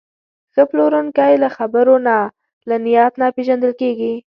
ښه پلورونکی له خبرو نه، له نیت نه پېژندل کېږي.